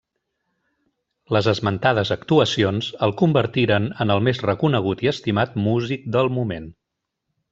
Les esmentades actuacions el convertiren en el més reconegut i estimat músic del moment.